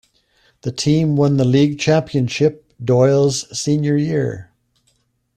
The team won the league championship Doyle's senior year.